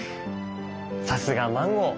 さすがマンゴー。